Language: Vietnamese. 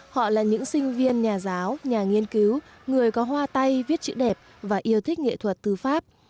họ là những sinh viên nhà giáo nhà nghiên cứu người có hoa tay viết chữ đẹp và yêu thích nghệ thuật thư pháp